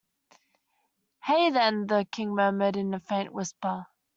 ‘Hay, then,’ the King murmured in a faint whisper.